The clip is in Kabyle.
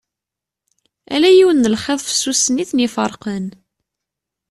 Ala yiwen n lxiḍ fessusen i ten-iferqen.